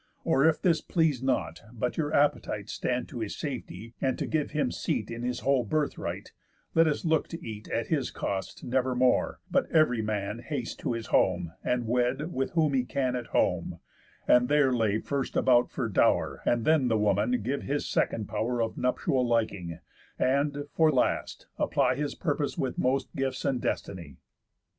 Or if this please not, but your appetites Stand to his safety, and to give him seat In his whole birth right, let us look to eat At his cost never more, but ev'ry man Haste to his home, and wed, with whom he can At home, and there lay first about for dow'r And then the woman give his second pow'r Of nuptial liking, and, for last, apply His purpose with most gifts and destiny."